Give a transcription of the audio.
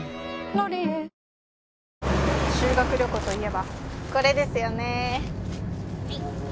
「ロリエ」修学旅行といえばこれですよね。